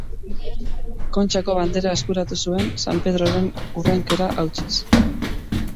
Kontxako Bandera eskuratu zuen, San Pedroren hurrenkera hautsiz.